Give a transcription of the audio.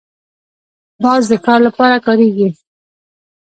باز د ښکار لپاره کارېږي